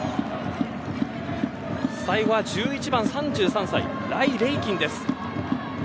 最後は１１番、３３歳ライ・レイキンです。